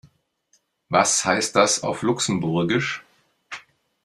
Was heißt das auf Luxemburgisch?